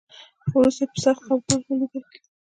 خو وروسته يې په سخت خپګان وليدل.